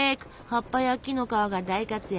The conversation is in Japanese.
葉っぱや木の皮が大活躍。